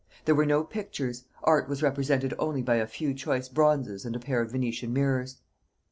There were no pictures; art was represented only by a few choice bronzes and a pair of Venetian mirrors.